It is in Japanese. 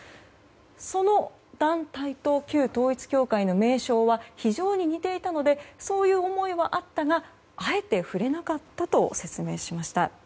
その団体と旧統一教会の名称は非常に似ていたのでそういう思いはあったがあえて触れなかったと説明しました。